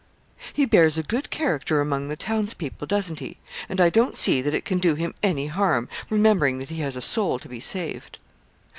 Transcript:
'He bears a good character among the townspeople, doesn't he? And I don't see that it can do him any harm, remembering that he has a soul to be saved.'